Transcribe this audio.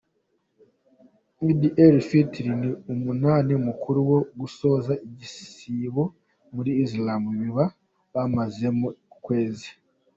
Eid al-Fitr, ni umuni mukuru wo gusoza igisibo muri Islam baba bamazemo ukwezi.